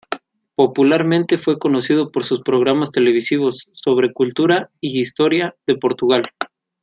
Popularmente fue conocido por sus programas televisivos sobre Cultura y Historia de Portugal.